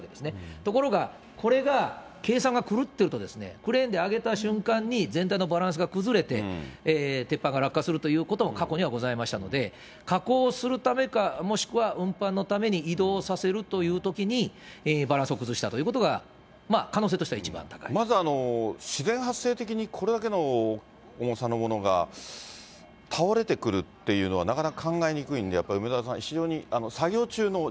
ところが、これが計算が狂ってると、クレーンで上げた瞬間に、全体のバランスが崩れて、鉄板が落下するということも過去にはございましたので、加工するためか、もしくは運搬のために移動させるというときに、バランスを崩したということが、可能性としては一まず自然発生的に、これだけの重さのものが倒れてくるっていうのは、なかなか考えにくいんで、やっぱり梅沢さん、非常に、そうですよね。